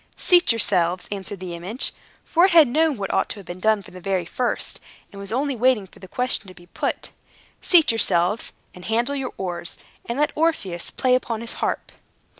"Seat yourselves," answered the image (for it had known what had ought to be done from the very first, and was only waiting for the question to be put), "seat yourselves, and handle your oars, and let Orpheus play upon his harp."